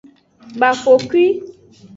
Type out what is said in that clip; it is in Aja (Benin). Bafokwi.